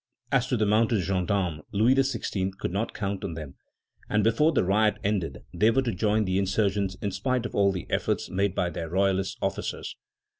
As to the mounted gendarmes, Louis XVI. could not count on them, and before the riot ended they were to join the insurgents in spite of all the efforts made by their royalist officers.